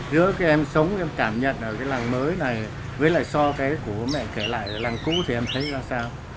giữa cái em sống em cảm nhận ở cái làng mới này với lại so với cái của bố mẹ kể lại ở làng cũ thì em thấy ra sao